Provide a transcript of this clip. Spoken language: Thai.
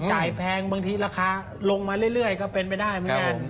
แพงบางทีราคาลงมาเรื่อยก็เป็นไปได้เหมือนกัน